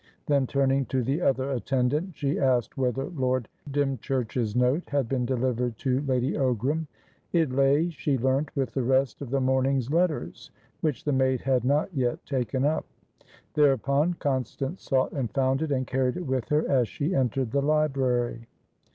Then, turning to the other attendant, she asked whether Lord Dymchurch's note had been delivered to Lady Ogram. It lay, she learnt, with the rest of the morning's letters, which the maid had not yet taken up. Thereupon Constance sought and found it, and carried it with her as she entered the library.